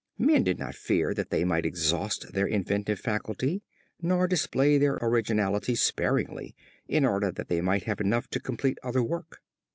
Men did not fear that they might exhaust their inventive faculty, nor display their originality sparingly, in order that they might have enough to complete other work.